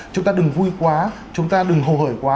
chúng ta đừng vui quá chúng ta đừng hồ hởi quá